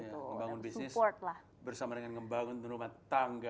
iya ngebangun bisnis bersama dengan ngebangun rumah tangga